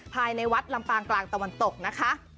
ภายในวัดลำปางกลางตะวันตกนะคะ